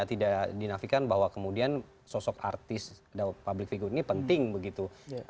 tidak dinafikan bahwa kemudian sosok artis public figure ini penting begitu